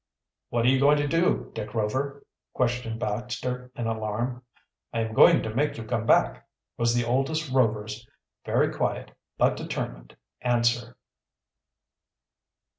"What are you going to do, Dick Rover?" questioned Baxter in alarm. "I am going to make you come back," was the oldest Rover's very quiet, but determined, answer.